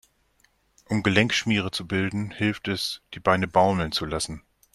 Um Gelenkschmiere zu bilden, hilft es, die Beine baumeln zu lassen.